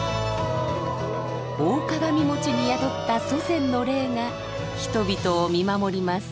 大鏡餅に宿った祖先の霊が人々を見守ります。